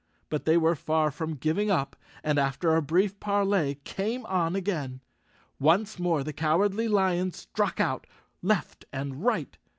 But they were far from giving up and after a brief parley came on again. Once more the Cowardly Lion struck out, left and right.